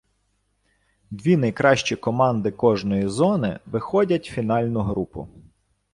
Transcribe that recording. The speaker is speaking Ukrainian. Дві найкращі команди кожної зони, виходять фінальну групу.